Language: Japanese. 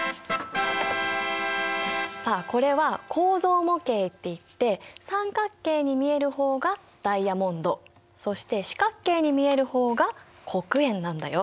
さあこれは構造模型っていって三角形に見える方がダイヤモンドそして四角形に見える方が黒鉛なんだよ。